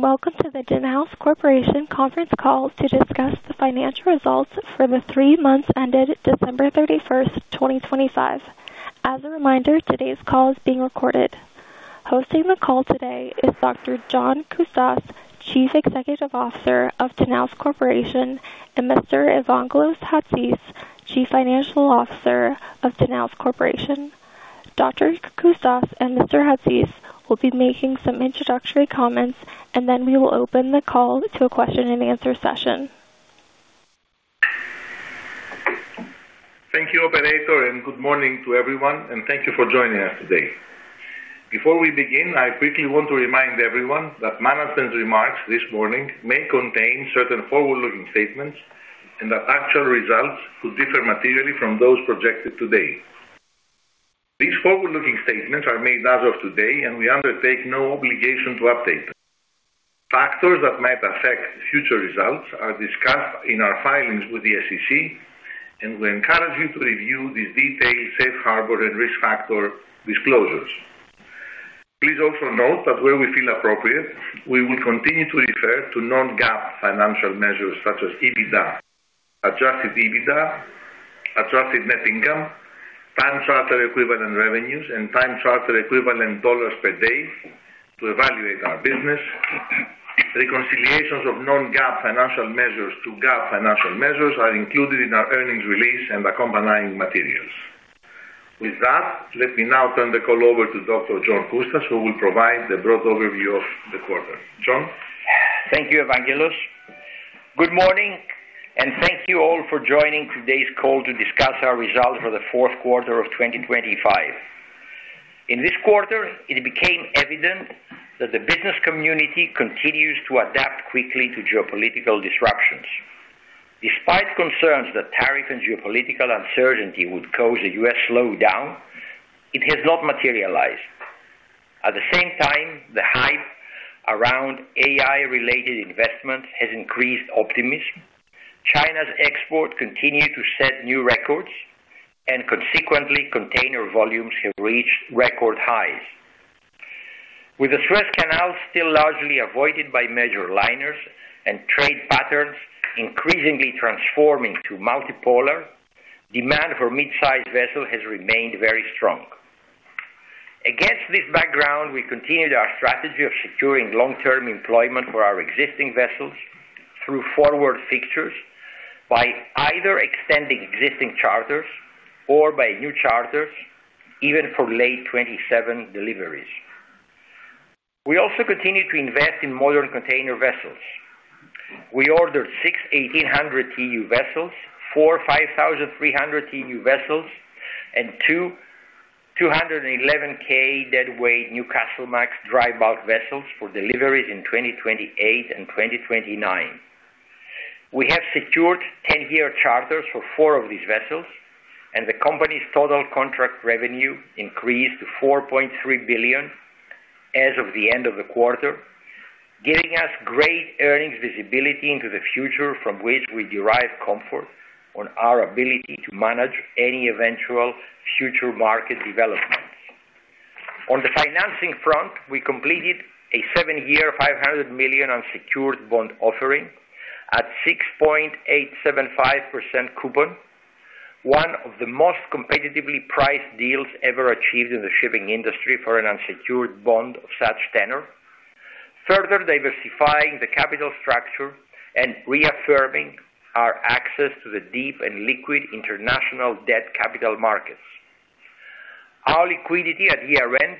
Good day and welcome to the Danaos Corporation Conference Call to discuss the financial results for the three-month-ended December 31st, 2025. As a reminder, today's call is being recorded. Hosting the call today is Dr. John Coustas, Chief Executive Officer of Danaos Corporation, and Mr. Evangelos Chatzis, Chief Financial Officer of Danaos Corporation. Dr. Coustas and Mr. Chatzis will be making some introductory comments, and then we will open the call to a question-and-answer session. Thank you, Operator, and good morning to everyone, and thank you for joining us today. Before we begin, I quickly want to remind everyone that management's remarks this morning may contain certain forward-looking statements and that actual results could differ materially from those projected today. These forward-looking statements are made as of today, and we undertake no obligation to update them. Factors that might affect future results are discussed in our filings with the SEC, and we encourage you to review these detailed Safe Harbor and risk factor disclosures. Please also note that where we feel appropriate, we will continue to refer to non-GAAP financial measures such as EBITDA, Adjusted EBITDA, Adjusted Net Income, Time Charter Equivalent revenues, and Time Charter Equivalent dollars per day to evaluate our business. Reconciliations of non-GAAP financial measures to GAAP financial measures are included in our earnings release and accompanying materials. With that, let me now turn the call over to Dr. John Coustas, who will provide the broad overview of the quarter. John? Thank you, Evangelos. Good morning, and thank you all for joining today's call to discuss our results for the fourth quarter of 2025. In this quarter, it became evident that the business community continues to adapt quickly to geopolitical disruptions. Despite concerns that tariff and geopolitical uncertainty would cause the U.S. slowdown, it has not materialized. At the same time, the hype around AI-related investment has increased optimism, China's exports continue to set new records, and consequently, container volumes have reached record highs. With the Suez Canal still largely avoided by major liners and trade patterns increasingly transforming to multipolar, demand for midsize vessels has remained very strong. Against this background, we continue our strategy of securing long-term employment for our existing vessels through forward fixtures by either extending existing charters or by new charters, even for late 2027 deliveries. We also continue to invest in modern container vessels. We ordered 6,180 TEU vessels, 4,530 TEU vessels, and 211,000 deadweight Newcastlemax dry bulk vessels for deliveries in 2028 and 2029. We have secured 10-year charters for four of these vessels, and the company's total contract revenue increased to 4.3 billion as of the end of the quarter, giving us great earnings visibility into the future from which we derive comfort on our ability to manage any eventual future market developments. On the financing front, we completed a 7-year 500 million unsecured bond offering at 6.875% coupon, one of the most competitively priced deals ever achieved in the shipping industry for an unsecured bond of such tenor, further diversifying the capital structure and reaffirming our access to the deep and liquid international debt capital markets. Our liquidity at year-end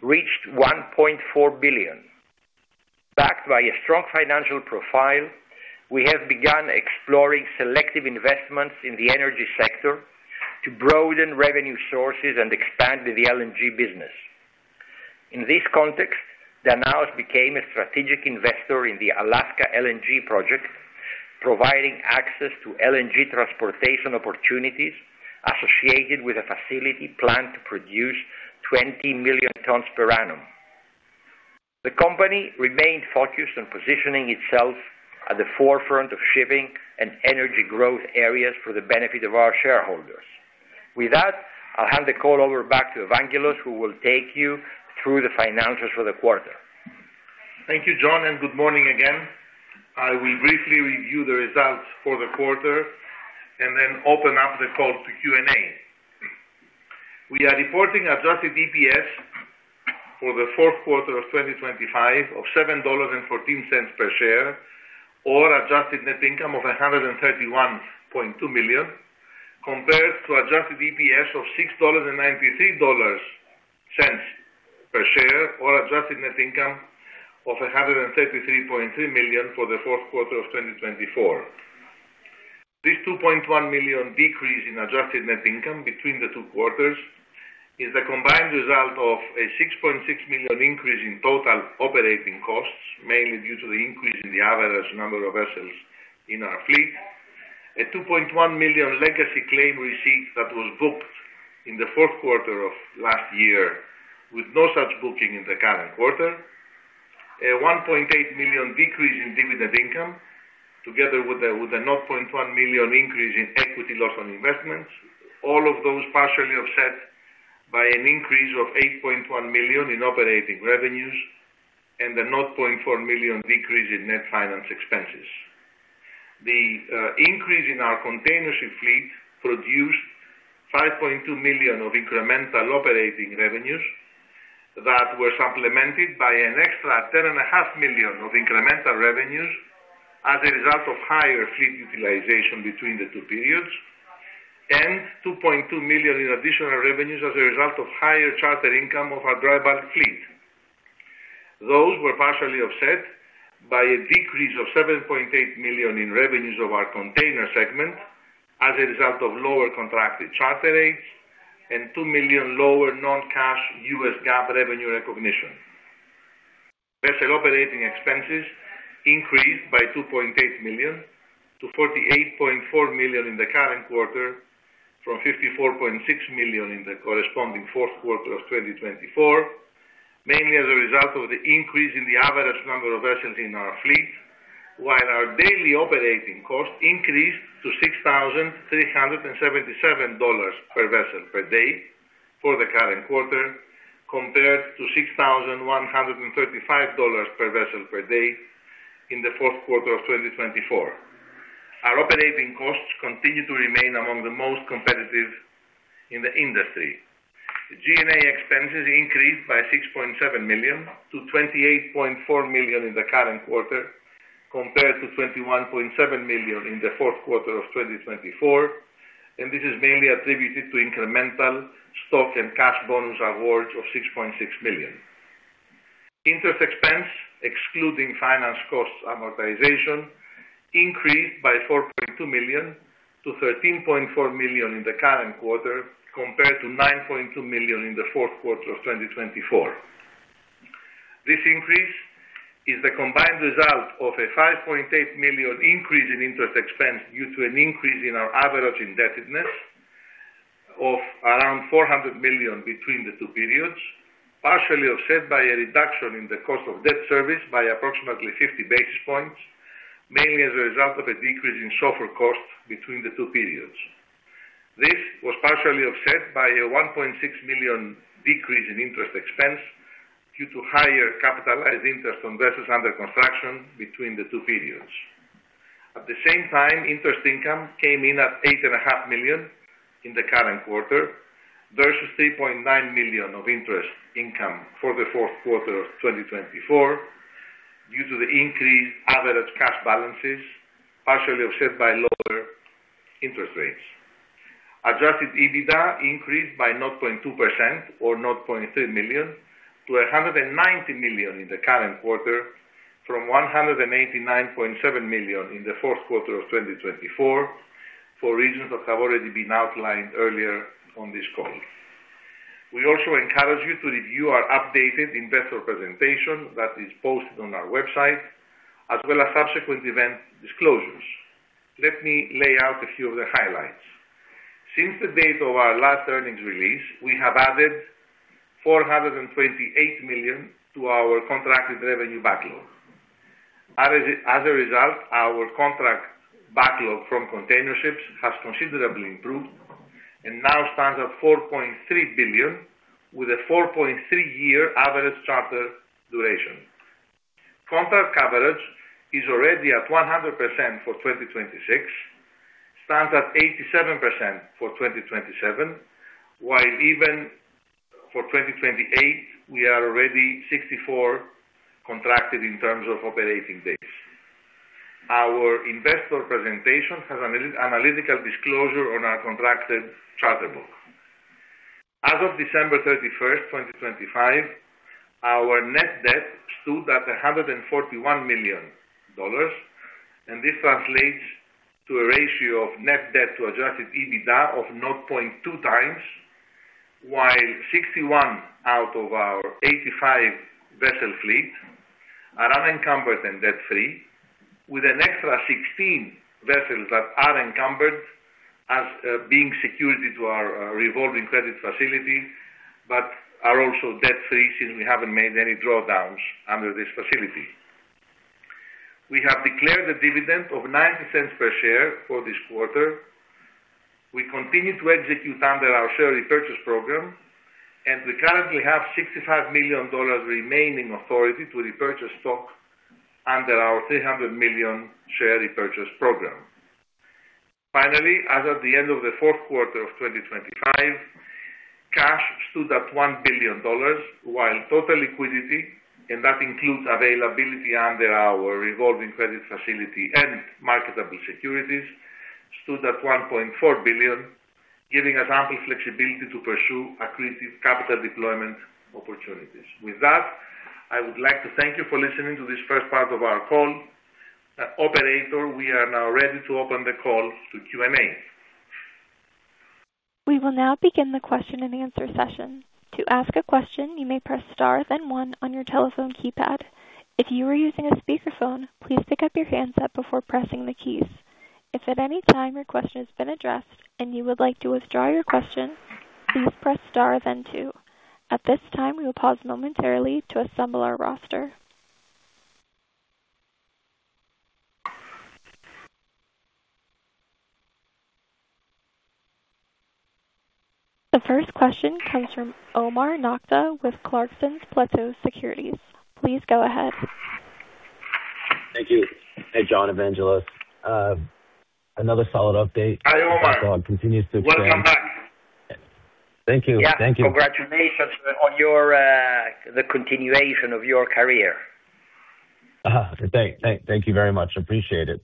reached 1.4 billion. Backed by a strong financial profile, we have begun exploring selective investments in the energy sector to broaden revenue sources and expand the LNG business. In this context, Danaos became a strategic investor in the Alaska LNG project, providing access to LNG transportation opportunities associated with a facility planned to produce 20 million tons per annum. The company remained focused on positioning itself at the forefront of shipping and energy growth areas for the benefit of our shareholders. With that, I'll hand the call over back to Evangelos, who will take you through the financials for the quarter. Thank you, John, and good morning again. I will briefly review the results for the quarter and then open up the call to Q&A. We are reporting Adjusted EPS for the fourth quarter of 2025 of EUR 7.14 per share, or adjusted net income of 131.2 million, compared to Adjusted EPS of EUR 6.93 per share, or adjusted net income of 133.3 million for the fourth quarter of 2024. This 2.1 million decrease in adjusted net income between the two quarters is the combined result of a 6.6 million increase in total operating costs, mainly due to the increase in the average number of vessels in our fleet, a 2.1 million legacy claim receipt that was booked in the fourth quarter of last year with no such booking in the current quarter, a 1.8 million decrease in dividend income together with a 0.1 million increase in equity loss on investments, all of those partially offset by an increase of 8.1 million in operating revenues and a 0.4 million decrease in net finance expenses. The increase in our containership fleet produced 5.2 million of incremental operating revenues that were supplemented by an extra 10.5 million of incremental revenues as a result of higher fleet utilization between the two periods, and 2.2 million in additional revenues as a result of higher charter income of our dry bulk fleet. Those were partially offset by a decrease of 7.8 million in revenues of our container segment as a result of lower contracted charter rates and 2 million lower non-cash U.S. GAAP revenue recognition. Vessel operating expenses increased by 2.8 million to 48.4 million in the current quarter from 54.6 million in the corresponding fourth quarter of 2024, mainly as a result of the increase in the average number of vessels in our fleet, while our daily operating cost increased to EUR 6,377 per vessel per day for the current quarter compared to EUR 6,135 per vessel per day in the fourth quarter of 2024. Our operating costs continue to remain among the most competitive in the industry. G&A expenses increased by 6.7 million to 28.4 million in the current quarter compared to 21.7 million in the fourth quarter of 2024, and this is mainly attributed to incremental stock and cash bonus awards of 6.6 million. Interest expense, excluding finance costs amortization, increased by 4.2 million to 13.4 million in the current quarter compared to 9.2 million in the fourth quarter of 2024. This increase is the combined result of a 5.8 million increase in interest expense due to an increase in our average indebtedness of around 400 million between the two periods, partially offset by a reduction in the cost of debt service by approximately 50 basis points, mainly as a result of a decrease in SOFR costs between the two periods. This was partially offset by a 1.6 million decrease in interest expense due to higher capitalized interest on vessels under construction between the two periods. At the same time, interest income came in at 8.5 million in the current quarter versus 3.9 million of interest income for the fourth quarter of 2024 due to the increased average cash balances, partially offset by lower interest rates. Adjusted EBITDA increased by 0.2%, or 0.3 million to 190 million in the current quarter from 189.7 million in the fourth quarter of 2024 for regions that have already been outlined earlier on this call. We also encourage you to review our updated investor presentation that is posted on our website as well as subsequent event disclosures. Let me lay out a few of the highlights. Since the date of our last earnings release, we have added 428 million to our contracted revenue backlog. As a result, our contract backlog from containerships has considerably improved and now stands at 4.3 billion with a 4.3-year average charter duration. Contract coverage is already at 100%, for 2026, stands at 87%, for 2027, while even for 2028, we are already 64%, contracted in terms of operating days. Our investor presentation has an analytical disclosure on our contracted charter book. As of December 31st, 2025, our net debt stood at EUR 141 million, and this translates to a ratio of net debt to Adjusted EBITDA of 0.2x, while 61 out of our 85 vessel fleet are unencumbered and debt-free, with an extra 16 vessels that are encumbered as being secured to our revolving credit facility but are also debt-free since we haven't made any drawdowns under this facility. We have declared a dividend of 0.0090 per share for this quarter. We continue to execute under our share repurchase program, and we currently have EUR 65 million remaining authority to repurchase stock under our 300 million share repurchase program. Finally, as at the end of the fourth quarter of 2025, cash stood at EUR 1 billion, while total liquidity, and that includes availability under our revolving credit facility and marketable securities, stood at 1.4 billion, giving us ample flexibility to pursue accretive capital deployment opportunities. With that, I would like to thank you for listening to this first part of our call. Operator, we are now ready to open the call to Q&A. We will now begin the question and answer session. To ask a question, you may press star then one on your telephone keypad. If you are using a speakerphone, please pick up your handset before pressing the keys. If at any time your question has been addressed and you would like to withdraw your question, please press star then two. At this time, we will pause momentarily to assemble our roster. The first question comes from Omar Nokta with Clarksons Platou Securities. Please go ahead. Thank you. Hey, John, Evangelos. Another solid update. Hi, Omar. Our continues to expand. Welcome back. Thank you. Thank you. Yeah. Congratulations on the continuation of your career. Thank you very much. Appreciate it.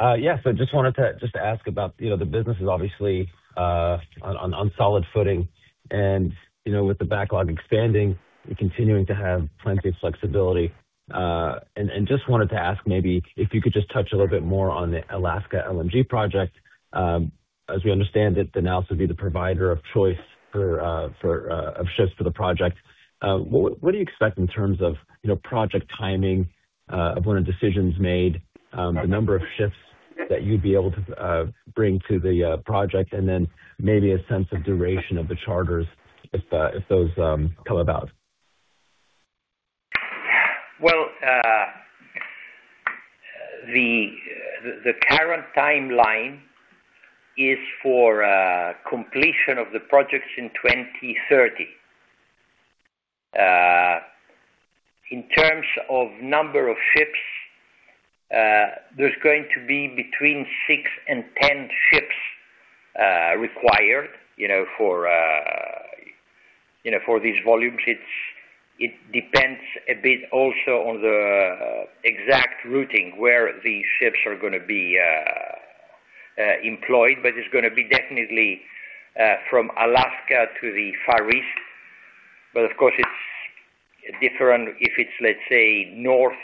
Yeah, so just wanted to just ask about the business is obviously on solid footing, and with the backlog expanding, continuing to have plenty of flexibility. Just wanted to ask maybe if you could just touch a little bit more on the Alaska LNG project. As we understand it, Danaos would be the provider of choice for ships for the project. What do you expect in terms of project timing, of when decisions made, the number of ships that you'd be able to bring to the project, and then maybe a sense of duration of the charters if those come about? Well, the current timeline is for completion of the projects in 2030. In terms of number of ships, there's going to be between 6 and 10 ships required for these volumes. It depends a bit also on the exact routing where the ships are going to be employed, but it's going to be definitely from Alaska to the Far East. But of course, it's different if it's, let's say, north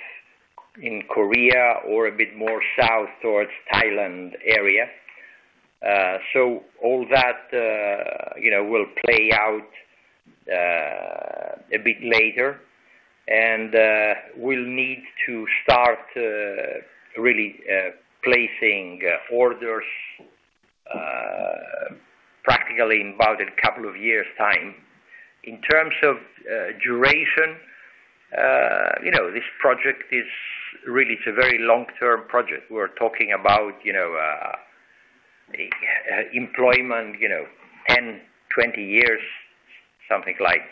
in Korea or a bit more south towards Thailand area. So all that will play out a bit later, and we'll need to start really placing orders practically about a couple of years' time. In terms of duration, this project is really it's a very long-term project. We're talking about employment 10, 20 years, something like.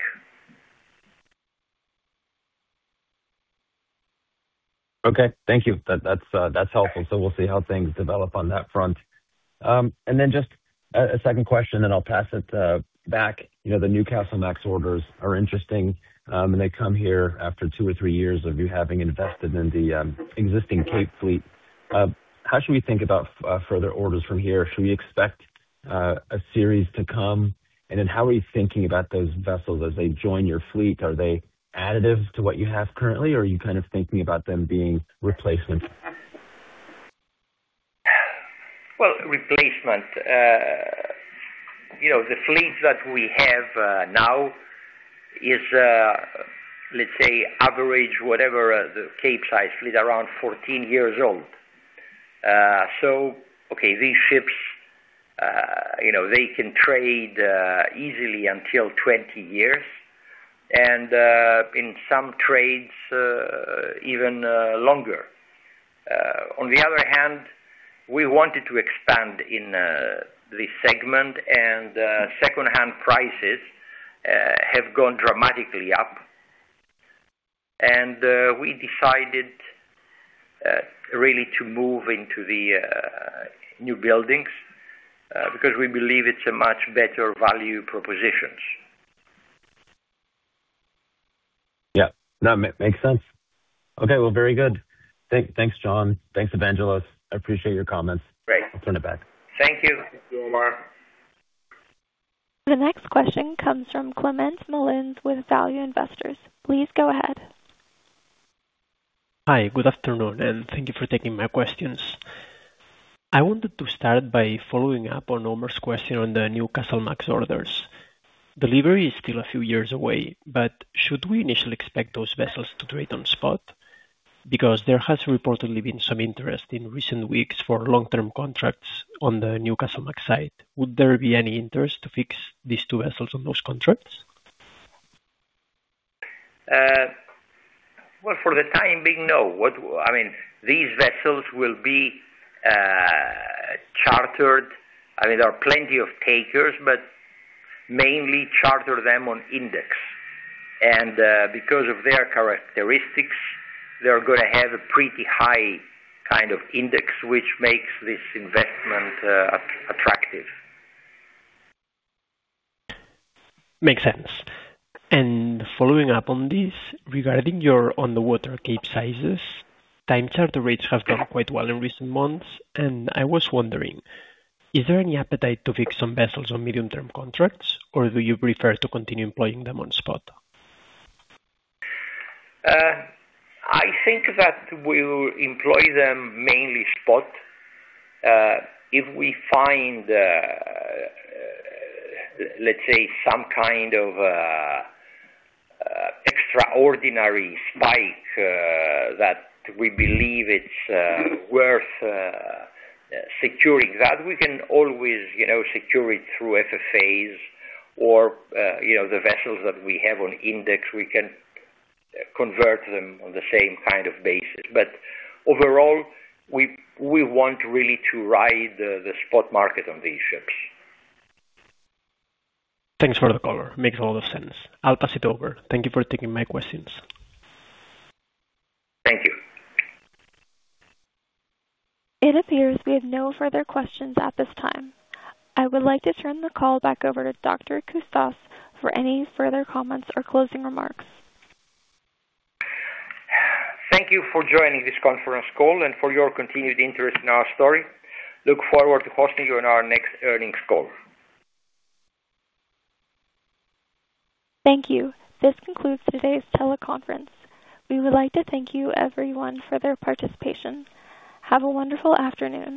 Okay. Thank you. That's helpful. So we'll see how things develop on that front. And then just a second question, then I'll pass it back. The Newcastlemax orders are interesting, and they come here after two or three years of you having invested in the existing Cape fleet. How should we think about further orders from here? Should we expect a series to come? And then how are you thinking about those vessels as they join your fleet? Are they additives to what you have currently, or are you kind of thinking about them being replacements? Well, replacement. The fleet that we have now is, let's say, average whatever the Capesize fleet around 14 years old. So okay, these ships, they can trade easily until 20 years and in some trades even longer. On the other hand, we wanted to expand in this segment, and secondhand prices have gone dramatically up. And we decided really to move into the new buildings because we believe it's a much better value proposition. Yeah. No, it makes sense. Okay. Well, very good. Thanks, John. Thanks, Evangelos. I appreciate your comments. I'll turn it back. Great. Thank you. Thank you, Omar. The next question comes from Climent Molins with Value Investor's. Please go ahead. Hi. Good afternoon, and thank you for taking my questions. I wanted to start by following up on Omar's question on the new Newcastlemax orders. Delivery is still a few years away, but should we initially expect those vessels to trade on spot? Because there has reportedly been some interest in recent weeks for long-term contracts on the new Newcastlemax size. Would there be any interest to fix these two vessels on those contracts? Well, for the time being, no. I mean, these vessels will be chartered. I mean, there are plenty of takers, but mainly charter them on index. And because of their characteristics, they're going to have a pretty high kind of index, which makes this investment attractive. Makes sense. Following up on this, regarding your on-the-water Capesize, time charter rates have gone quite well in recent months, and I was wondering, is there any appetite to fix some vessels on medium-term contracts, or do you prefer to continue employing them on spot? I think that we'll employ them mainly spot. If we find, let's say, some kind of extraordinary spike that we believe it's worth securing, that we can always secure it through FFAs or the vessels that we have on index. We can convert them on the same kind of basis. But overall, we want really to ride the spot market on these ships. Thanks for the caller. Makes a lot of sense. I'll pass it over. Thank you for taking my questions. Thank you. It appears we have no further questions at this time. I would like to turn the call back over to Dr. Coustas for any further comments or closing remarks. Thank you for joining this conference call and for your continued interest in our story. Look forward to hosting you in our next earnings call. Thank you. This concludes today's teleconference. We would like to thank you, everyone, for their participation. Have a wonderful afternoon.